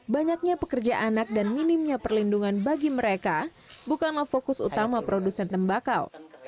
banyaknya pekerja anak dan minimnya perlindungan bagi mereka bukanlah fokus utama produsen tembakau